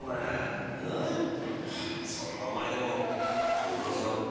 そんなお前でもおふくろさん